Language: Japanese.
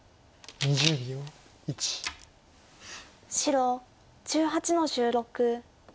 白１８の十六。